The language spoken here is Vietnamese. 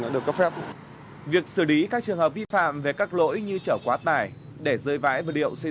đã được cấp phép việc xử lý các trường hợp vi phạm về các lỗi như chở quá tải để rơi vãi và điệu xây